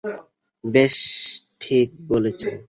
বেশ, ঠিক বলেছো।